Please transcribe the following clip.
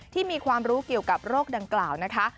ที่มีความรู้เกี่ยวกับโรคดังกล่าวนะคะ